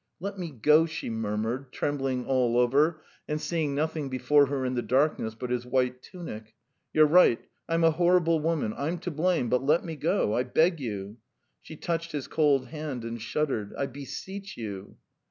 "Let me go," she murmured, trembling all over and seeing nothing before her in the darkness but his white tunic. "You're right: I'm a horrible woman. ... I'm to blame, but let me go ... I beg you." She touched his cold hand and shuddered. "I beseech you.